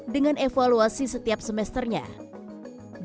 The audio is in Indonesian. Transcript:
dengan evaluasi setiap semester dan kemudian kembali ke sma atau sda